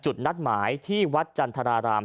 จุดนัดหมายที่วัดจันทราราม